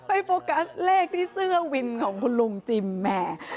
โฟกัสเลขที่เสื้อวินของคุณลุงจิมแหม